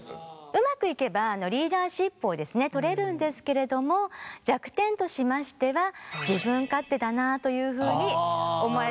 うまくいけばリーダーシップをですね取れるんですけれども弱点としましては自分勝手だなというふうに思われてしまう可能性もあります。